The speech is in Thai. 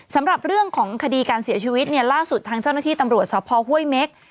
สำหรับเรื่องของคดีการเสียชีวิตเนี่ยล่าสุดทางเจ้าหน้าที่ตำรวจสภห้วยเม็ก